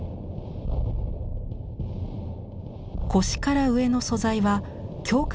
腰から上の素材は強化